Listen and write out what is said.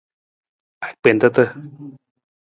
Agbentata.